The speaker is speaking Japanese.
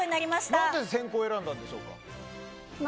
なぜ先攻を選んだんでしょうか。